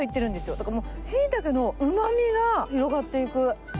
だからもう、しいたけのうまみが広がっていく。